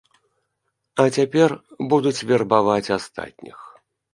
А цяпер будуць вербаваць астатніх.